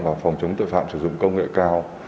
và phòng chống tội phạm sử dụng công nghệ cao